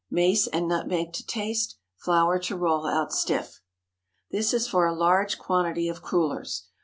Mace and nutmeg to taste. Flour to roll out stiff. This is for a large quantity of crullers.